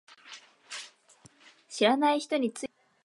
知らない人についていってはいけないよ